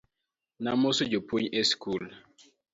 Namoso japuonj e skul